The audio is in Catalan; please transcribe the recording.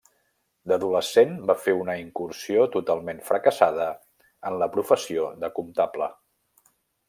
D'adolescent va fer una incursió totalment fracassada en la professió de comptable.